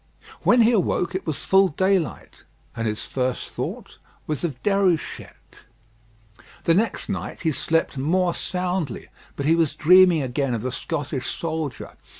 When he awoke it was full daylight, and his first thought was of Déruchette. The next night he slept more soundly, but he was dreaming again of the Scottish soldier.